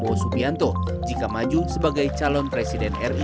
prabowo subianto jika maju sebagai calon presiden ri